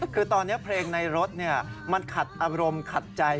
คือตอนนี้เพลงในรถมันขัดอารมณ์ขัดใจ